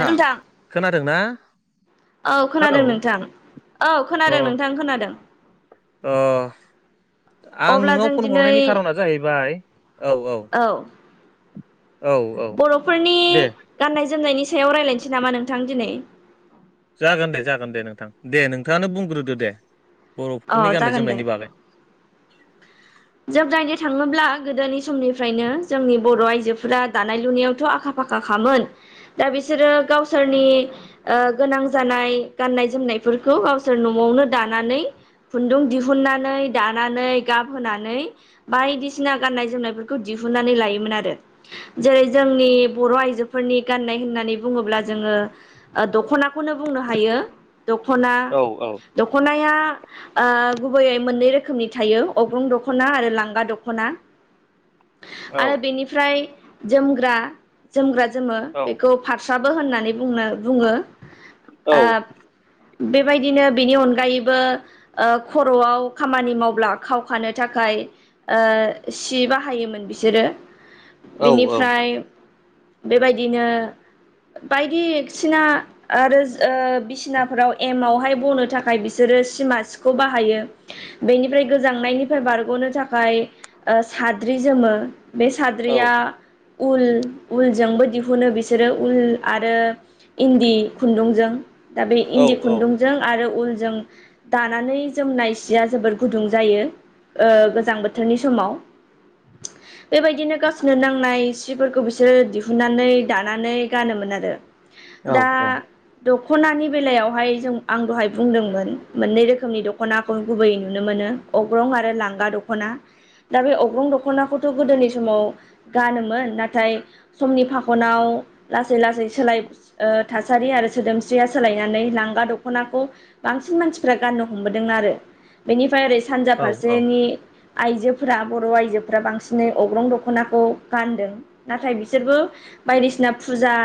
नोंथां खोनादों ना? औ हेलौ खोनादों नोंथां औ अ खोनादों नोंथां खोनादों अ आं अब्ला जों नोंनाव फन दिनै हरनायनि खार'ना जाहैबाय, औ औ औ औ बर'फोरनि दे गाननाय जोमनायनि सायाव रायलायनोसै नामा नोंथां दिनै जागोन दे जागोन दे नोंथां दे नोंथाङानो बुंग्रोदो दे अ बर'फोरनि गाननाय जागोन दे जोमनायनि बागै जों नायनो थाङोब्ला गोदोनि समनिफ्रायनो जोंनि बर' आइजोफोरा दानाय लुनायावथ' आखा फाखा खामोन दा बे बिसोरो गावसोरनि गोनां जानाय गान्नाय जोमनायफोरखौ गावसोर न'आवनो दा लानानै खुन्दुं दिहुननानै दानानै गाब होनानै बायदिसिना गाननाय जोमनायफोरखौ दिहुननानै लायोमोन आरो जेरै जोंनि बर' आइजोफोरनि गाननाय होननानै बुङोब्ला जोङो दख'नाखौनो बुंनो हायो। दख'ना औ औ दख'नाया ओ, गुबैयै मोननै रोखोमनि थायो अग्रं दख'ना आरो लांगा दख'ना औ आरो बेनिफ्राय जोमग्रा, जोमग्रा जोमो औ बेखौ फारसे होननानै बुंना बुङो औ बे बायदिनो बिनि अनगायैबो ओ खर'आव खामानि मावब्ला खावखानो थाखाय सि बाहायोमोन बिसोरो औ बेनिफ्राय बेबायदिनो ओ बे सिमासिखौ बाहायो बेनि गोजांनायनि फ्राय बारग'नो थाखाय सा उल उलजोंबो दिहुनो बिसोरो उल आरो इन्दि खुन्दुंजों दा बे औ इन्दि खुन्दुंजों आरो उलजों दानानै जोमनाय सिया जोबोद गुदुं जायो ओ गोजां बोथोरनि समाव बेबायदिनो गावसोरनो नां जिफोरखौ बिसोरो दिहुनन्नानै दानानै गानोमोन आरो औ दा दख'नानि बेलायावहाय जों आं दहाय बुंदोंमोन मोननै रोखोमनि दख'नाखौ गुबैयै नुनो मोनो अग्रं आरो लांगा दख'ना दा बे अग्रं दख'नाखौथ' गोदोनि समाव गानोमोन नाथाय समनि फाखनाव लासै लासै सोलाय ओ थासारि आरो सोदोमस्रिया सोलायनानै लांगा दख'नाखौ बांसिन मानसिफ्रा गाननो हमबोदों आरो बेनिफ्राय ओरै सानजा औ औ औ फारसेनि आइजोफोरा बर' आइजोफोरा बांसिनै अग्रं दख'नाखौ गानदों नाथाय बिसोरबो। बायदिसिना फुजा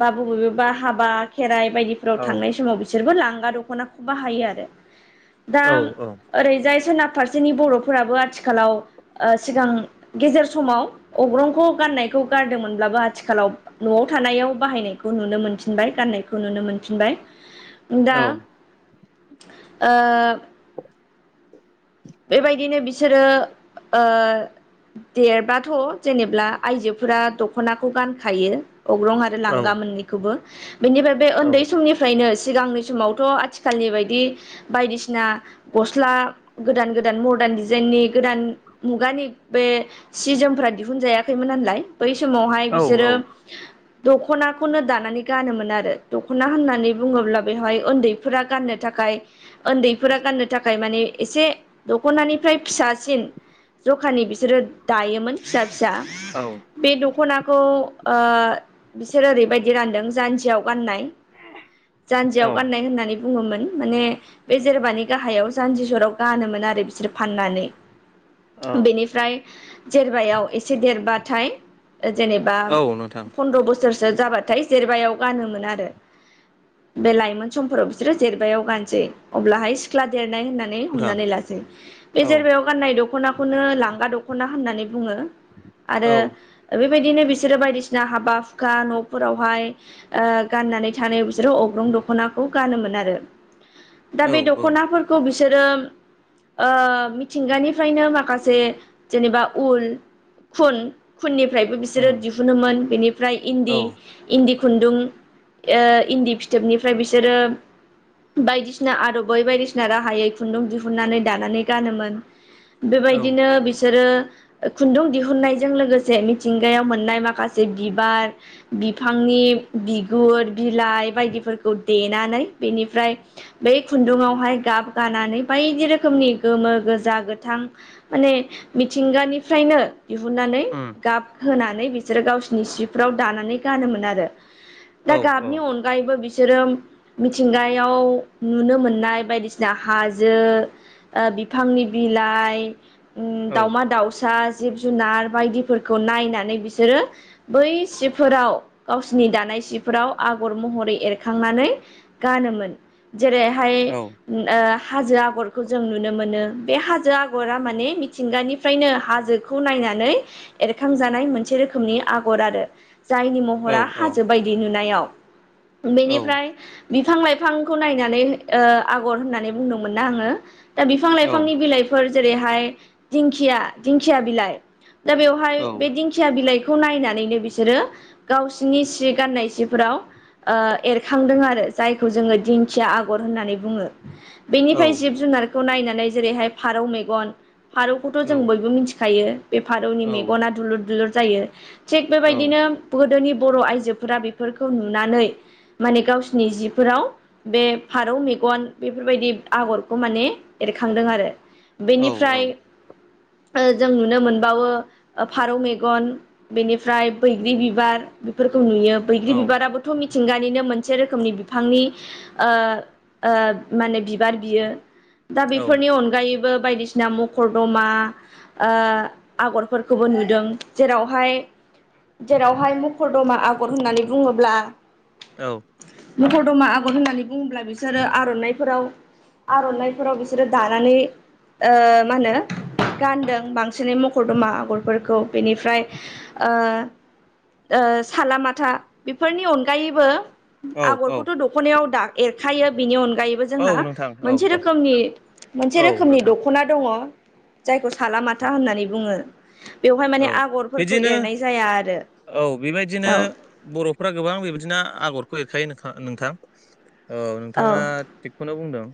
बा बबेबा हाबा, खेराइ बायदिफोराव थांनाय समाव बिसोरबो लांगा दख'नाखौ बाहायो आरो दा ओरैजाय सोनाब फारसेनि बर'फोराबो आथिखालाव ओ सिगां गेजेर समाव अग्रंखौ गाननायखौ गारदोंमोन अब्लाबो आथिखालाव न'आव थानायाव बाहायनायखौ नुनो मोनफिनबाय गाननायखौ नुनो मोनफिनबाय। दा ओ बेबायदिनो बिसोरो ओ देरबाथ' जेनेब्ला आइजोफोरा दख'नाखौ गानखायो अग्रं आरो लांगा मोननैखौबो बेनिफ्राय बे उन्दै समनिफ्रायनो सिगांनि समावथ' आथिखालनि बायदि बायदिसिना गस्ला गोदान गोदान मदार्न डिजाइननि गोदान मुगानि बे सि जोमफ्रा दिहुनजायाखैमोन नालाय बै समावहाय औ बिसोरो दख'नाखौनो दानानै गानोमोन आरो दखना होननानै बुङोब्ला बेवहाय उन्दैफोरा गाननो था खाय ओन्दैफोरा गाननो थाखाय माने एसे दख'नानिफ्राय फिसासिन जखानि बिसोरो दायोमोन फिसा फिसा बे दख'नाखौ ओ बिसोर ओरैबायदि रानदों जानजियाव गाननाय जानजियाव गाननाय होननानै बुङोमोन माने बे जेरबानि गाहायाव जान्जिजराव गानोमोन आरो बिसोर फाननानै औ बेनिफ्राय जेरबायाव एसे देरबाथाय जेनेबा औ नोंथां नोंथां फन्द्र' बोसोरसो जाबाथाय जेरबायाव गानोमोन आरो बे लाइमोन समफोराव बिसोरो जेरबायाव गानसै अब्लाहाय सिख्ला देरनाय होननाय हमनानै लासै बे औ जेरबायाव गाननाय दख'नाखौनो लां गा दखना होननानै बुङो आरो औ बेबायदिनो बिसोरो बायदिसिना हाबा हुखा न'फोराव हाय ओ गाननानै थानायाव बिसोरो अग्रं दख'नाखौ गानोमोन आरो औ दा बे दख'नाफोरखौ बिसोरो ओ मिथिंगानिफ्रायनो माखासे जेनेबा उल खुन खुननिफ्रायबो बिसोरो दिहुनोमोन बेनिफ्राय औ इन्दि इन्दि खुन्दुं ओ इन्दि फिथोबनिफ्राय बिसोरो बायदिसिना आदबै बै बायदिसिना राहायै खुन्दुं दिहुन नानै दानानै गानोमोन औ बेबायदिनो बिसोरो । खुन्दुं दिहुननायजों लोगोसे मिथिंगायाव मोननाय माखासे बिबार बिफां नि बिगुर बिलाइ बायदिफोरखौ देनानै बेनिफ्राय बै खुन्दुङाव हाय गाब गानानै बायदि रोखोमनि गोमो गोजा गोथां माने मिथिंगानिफ्रायनो दिहुननानै उम गाब होनानै बिसोरो गावसिरनि सिफ्राव दानानै गानोमोन आरो दा औ गाबनि औ अनगायैबो बि बिसोरो मिथिंगायाव नुनो मोननाय बायदिसिना हा जो ओ बिफांनि बिलाइ औ दावमा दाउसा जिब जुनार बायदिफोरखौ नायनानै बिसोरो बै सिफोराव गावसिनि दानाय सिफोराव आगर महरै एरखांनानै गानोमोन । जेरैहाय औ ओ हाजो आगरखौ जों नुनो मोनो बे हाजो आगरा माने मिथिंगानिफ्रायनो हाजोखौ नायनानै नानै एरखांजानाय मोनसे रोखोमनि आगर आरो । जायनि औ महरा औ हाजो बायदि नुनायाव औ उन्दैनिफ्राय बिफां लाइफांखौ नायनानै ओ आगर होननानै बुंदोंमोना आंङो दा बिफां औ लाइफांनि बिलाइफोर जेरैहाय दिंखिया दिंखिया बिलाइ दा बेवहाय औ बे दिंखिया बिलाइ बेखौ नायनानैनो बिसोरो गावसिनि सि गाननाय सिफोराव ओ एरखांदों आरो जायखौ जोंङो दिंखिया आगर होननानै बुङो। बेनिफ्राय जिब जुनारखौ नायनानै जेरैहाय फारौ मेगन फारौखौथ' जों बयबो मिथि थायो बे फारौनि मेगना दुलुर दुलुर जायो थिग बेबायदिनो गोदोनि बर' आइजोफोरा बेफोरखौ नुनानै माने गावसिनि जिफोराव बे फारौ मे गन बेफोरबायदि आगरखौ माने एरखांदों आरो बेनिफ्राय जों नुनो मोनबावो फारौ मेगन बेनिफ्राय बैग्रि बिबार बेफोर खौ नुयो बैग्रि औ बिबाराबोथ' मिथिंगानिनो मोनसे रोखोमनि बिफांनि ओ माने बिबार बियो दा बेफोरनि अनगायैबो बायदिसिना मखरदमा ओ आगरफोरखौबो नुदों जेरावहाय जेरावहाय मखरदमा आगर होननानै बुङोब्ला औ मखरदमा आबर होननानै बुङोब्ला बिसोरो आर'नाइफोराव आर'नाइफोराव बिसोरो दानानै ओ मा होनो गानदों बांसिनै मखर दमा आगरफोरखौ बेनिफ्राय ओ ओ सालालामाथा बेफोरनि अनगायैबो औ औ आगरखौथ' दखनायाव दा एरखायो बिनि अनगायैबो औ जोंहा नोंथां औ औ मोनसेमनि मोनसे औ रोखोमनि नोंथां दख'ना दङ जायखौ जों थालामाथा होननानै बुङो बेवहाय औ माने आगरफोरखौ बिदिनो एरनाय जाया आरो औ बेबायदिनो औ बर'फ्रा गोबां बेबायदिनो आगर खायो नोंथां औ नोंथाङा थिगखौनो बुंदों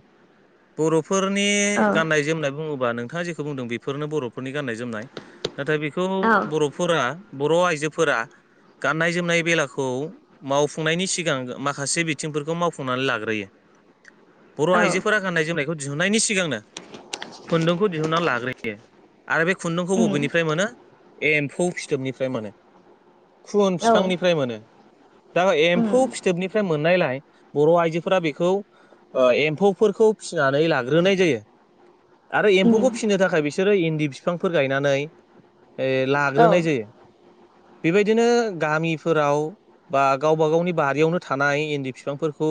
बर' फोरनि गाननाय जोमनाय बुङोबा नोंथाङा जेखौ बुंदों बेफोरनो बर'फोरनि गाननाय जोमनाय नाथाय बेखौ औ बर'फोरा बर' आइजोफोरा गाननाय जोमनाय बेलाखौ मावफुंनायनि सिगां माखासे बिथिंफोरखौ मावफुंनानै लाग्रोयो [inaudible] बर' औ आइजोफोरा गान्नाय जोमनायखौ दिहुननायनि सिगांनो खुन्दुंखौ दिहुनना लाग्रोयो आरो बे खुन्दुंखौ उम बबेनिफ्राय मोनो एम्फौ फिथोबनिफ्राय मोनो खुन औ फिफांनिफ्राय मोनो । दा उम एम्फौ फिथोबनिफ्राय मोन मोननायलाय बर' आइजोफोरा बेखौ ओ एम्फौफोरखौ फिसिनानै लाग्रोनाय जायो। आरो एम्फौखौ उम फिसिनो थाखाय बिसोरो इन्दि बिफांफोर गायनानै ओ औ लाग्रोनाय जायो बेबायदिनो गामिफोराव बा गावबा गावनि बारियावनो थानाय इन्दि बिफांफोरखौ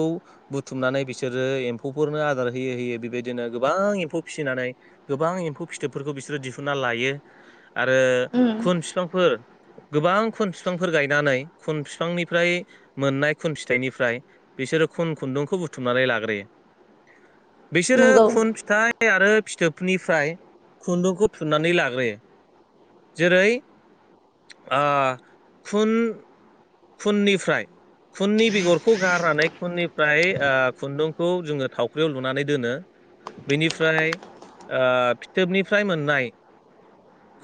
बुथुमनानै बिसोरो एम्फौफोरनो आदार होयौ होयौ बेबायदिनो गोबां एम्फौ फिसिनानै गोबां एम्फौ फिथोबफोरखौ बिसोरो दिहुनना लायो। आरो उम खुन फिफांफोर गोबां खुन बिफांफोर गायनानै खुन बिफांनिफ्राय मोननाय खुन फिथाइनिफ्राय बिसोरो खुन खुन्दुंखौ बुथुमनानै लाग्रोयो बिसोरो नंगौ खुन फिथाइ। फाइ आरो फिथोबनिफ्राय खुन्दुंखौ थुनानै लाग्रोयो जेरै ओ खुन खुननिफ्राय खुननि बेगरखौ गारनानै खुननि फ्राय ओ खुन्दुंखौ जोङो थावख्रियाव लुनानै दोनो बेनिफ्राय ओ फिथोबनिफ्राय मोननाय।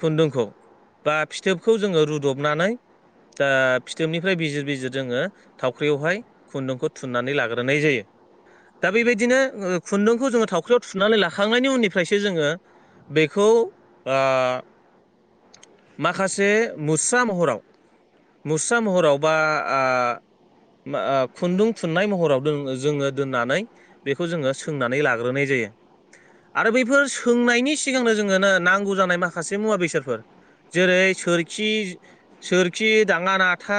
खुन्दुंखौ बा फिथोबखौ जोङो रुदबनानै दा फिथोबनिफ्राय बिजिर बिजिर जोङो थावख्रियावहाय खुन्दुंखौ थुननानै लाग्रोनाय जायो दा बेबायदिनो खुन्दुंखौ जोङो थावख्रियाव थुनानै लाखांनायनि उननिफ्रायसो जोङो बेखौ ओ माखासे मुस्रा महराव मुस्रा महरावबा आ मा ओ खुन्दुं थुननाय महराव दों जोङो दोननानै बेखौ जोङो सोंनानै लाग्रोनाय जायो आरो बैफोर सोंनायनि सिगांनो जोङो ना नांगौ जानाय माखासे मुवा बेसादफोर जेरै सोरखि सोरखि दाङा नाथा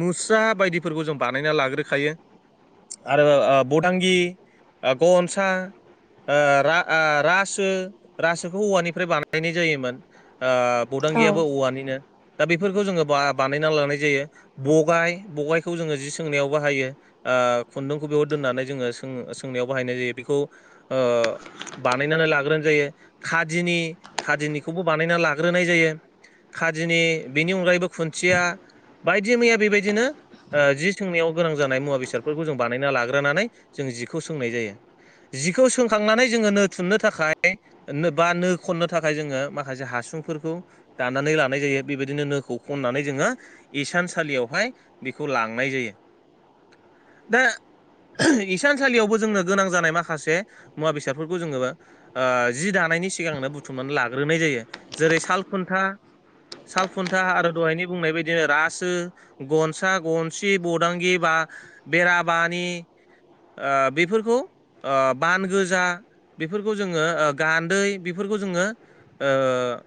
मुस्रा बायदिफोरखौ जों बानायना लाग्रोखायो आरो बदांगि गनसा रासो रासोखौ औवानिफ्राय बानायनाय जायोमोन ओ औ बदांगियाबो औवानिनो दा बेफोरखौ जोङो बा बानायना लानाय जायो बगाय बगायखौ जोङो जि सोंनायाव बाहायो ओ खुन्दुंखौ बेयाव दो होननानै जोङो सोंनायाव बाहायनाय जायो बेखौ बानायनानै लाग्रोनाय जायो खादिनि खादिनिखौबो बानायनानै लाग्रोनाय जायो खादिनि बिनि अनगायैबो खुन्थिया बायदि मैया बेबायदिनो ओ जि सोंनायाव गोनां जानाय मुवा बेसादफोरखौ जों बानायना लाग्रोनानै जों जिखौ सोंनाय जायो जिखौ सोंखांनानै जोङो नो थुननो थाखाय बा नो खननो थाखाय जोङो माखासे हास सुंफोरखौ दानानै लानाय जायो बेबायदिनो नोखौ खननानै जोङो इसानसालियावहाय बिखौ लांनाय जायो दा इसानसालियावबो जोंनो गोनां जानाय माखासे मुवा बेसादफोरखौ जोङो जि दानानै नायनि सिगांनो बुथुमनानै लाग्रोनाय जायो जेरै साल खुनथा सालखुन्था आरो दहायनि बुंनाय बायदिनो रासो गनसा गनसि बदांगि बा बेराबानि ओ बेफोरखौ बान गोजा बेफोरखौ जोङो ओ-गान्दै बेफोरखौ जोङो ओ-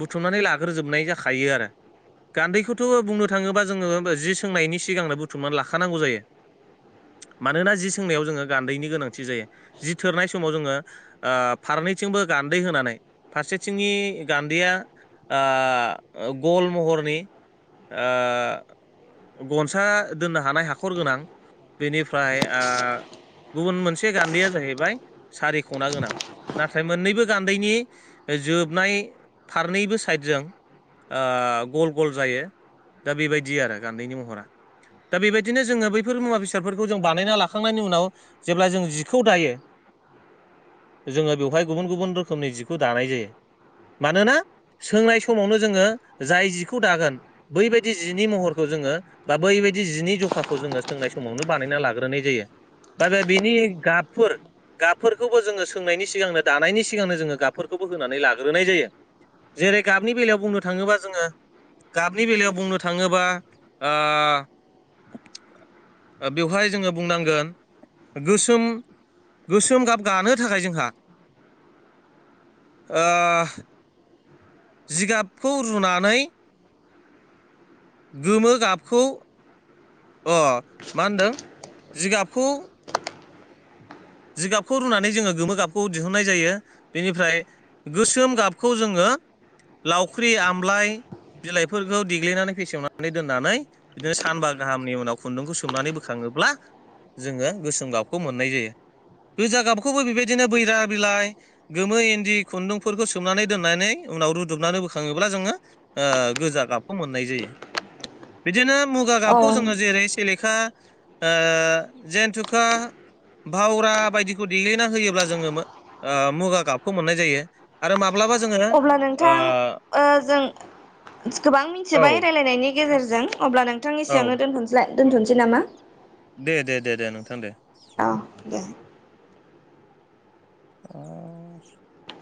बुथुमनानै लाग्रोजोबनाय जाखायो आरो गान्दैखौथ' बुंनो थाङोबा जोङो जि सोंनायनि सिगांनो बुथुमनानै लाखानांगौ जायो [inaudible] मानोना जि सोंनायाव जोङो गान्दैनि गोनांथि जायो जि थोरनाय समाव जोङो फारनैथिंबो गान्दै होनानै फारसेथिंनि गान्दैया ओ गल महरनि ओ गनसा दोननो हा थानाय हाखर गोनां बेनिफ्राय ओ गुबुन मोनसे गान्दैया जाहैबाय सारिखना गोनां। नाथाय मोननैबो गान्दैनि जोबनाय फारनैबो साइडजों ओ गल गल जायो दा बेबायदि आरो गान्दैनि महरा दा बेबायदिनो जोङो बैफोर मुवा बेसादफोरखौ जों बानायना लाखांनायनि उनाव जेब्ला जों जिखौ दायो जोङो बेवहाय गुबुन गुबुन रोखोमनि जिखौ दानाय जायो। मानोना सोंनाय समावनो जोङो जाय जिखौ दागोन बैबायदि जिनि महरखौ जोङो बा बैबाय दि जिनि जखाखौ जोङो सोंनाय समावनो बानायना लाग्रोनाय जायो बा बे बेनि गाबफोर गाबफोरखौबो जोङो सोंनायनि सिगांनो दानायनि सिगांनो जोङो गाबफोरखौबो होनानै लाग्रोनाय जायो जेरै गाबनि बेलायाव बुंनो थाङोबा जोङो गाबनि बेलायाव बुंनो थाङोबा ओ-बेवहाय जोङो बुंनांगोन गोसोम गोसोम गाब गानो थाखाय जोंहा ओ- जिगाब खौ रुनानै गोमो गाबखौ अ मा होनदों जिगाबखौ जिगाबखौ रुनानै जोङो गोमो गाबखौ दिहुननाय जायो बेनिफ्राय गोसोम गाबखौ जोङो लावख्रि आमलाय बिलाइफोरखौ देग्लिनानै फेसेवनानै दोननानै बिदिनो सानबा गाहामनि उनाव खुन्दुंखौ सोमनानै बोखाङो अब्ला जोङो गोसोम गाबखौ मोननाय जायो। गोजा गाबखौबो बेबायदिनो बैरा बिलाइ गोमो इन्दि खुन्दुंफोरखौ सोमनानै दोननानै उनाव रुदबनानै बोखाङोब्ला जोङो ओ गोजा गाबखौ मोननाय जायो बिदिनो मुगा गाबखौ औ जोङो जेरै सेलेखा ओ जेनथुखा हावरा बायदिखौ देग्लिना होयोब्ला जोङो मो ओ मुगा गाबखौ मोननाय जायो आरो मा अब्ला नोंथां ओ जों गोबां मिथिबाय औ रायलायनायनि गेजेरजों अब्ला नोंथांनि औ सायावनो दथ'साय दोनथ'नोसै नामा दे दे दे दे नोंथां दे औ दे [inaudible]